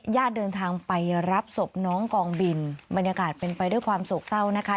ญาติเดินทางไปรับศพน้องกองบินบรรยากาศเป็นไปด้วยความโศกเศร้านะคะ